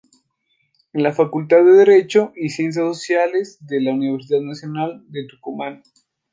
En la Facultad de Derecho y Ciencias Sociales de la Universidad Nacional de Tucumán.